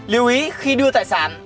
lưu ý khi đưa tài sản